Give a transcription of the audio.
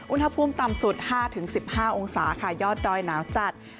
อุณหภูมิต่ำสุด๕๑๕องศาค่ะยอดดอยหนาวจัด